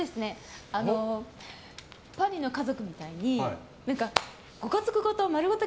パリの家族みたいにご家族ごと丸ごと